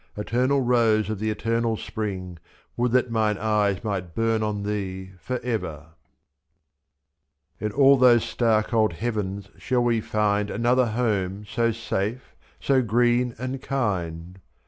2^' Eternal Rose of the Eternal Spring, Would that mine eyes might burn on thee for ever. I In all those star cold heavens shall we find Another home, so safe, so green and kind